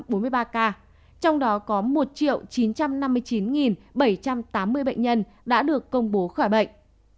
trong đó có một chín trăm năm mươi chín bảy trăm tám mươi bệnh nhân đã được công bố khỏi bệnh